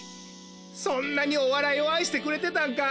そんなにおわらいをあいしてくれてたんか。